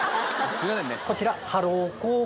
こちら。